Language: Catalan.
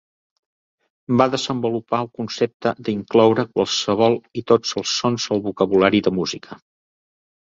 Va desenvolupar el concepte d'incloure qualsevol i tots els sons al vocabulari de música.